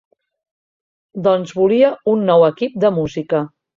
Doncs volia un nou equip de música.